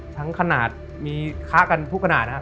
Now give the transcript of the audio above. ทั้งขนาดมีค้ากันทุกขนาดนะครับ